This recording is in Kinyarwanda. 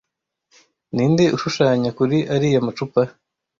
Ninde ushushanya kuri ariya macupa